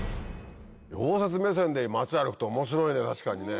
溶接目線で町歩くと面白いね